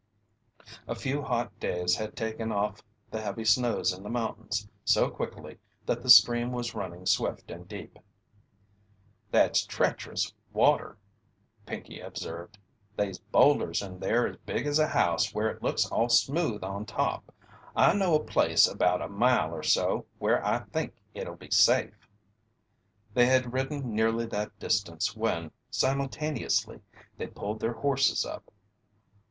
A few hot days had taken off the heavy snows in the mountains so quickly that the stream was running swift and deep. "That's treach'rous water," Pinkey observed. "They's boulders in there as big as a house where it looks all smooth on top. I know a place about a mile or so where I think it'll be safe." They had ridden nearly that distance when, simultaneously, they pulled their horses up.